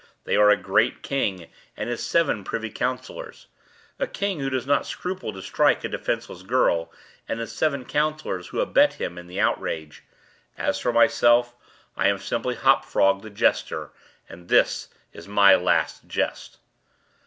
They are a great king and his seven privy councillors,—a king who does not scruple to strike a defenceless girl and his seven councillors who abet him in the outrage. As for myself, I am simply Hop Frog, the jester—and this is my last jest."